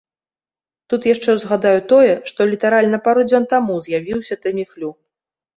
Тут яшчэ ўзгадаю тое, што літаральна пару дзён таму з'явіўся таміфлю.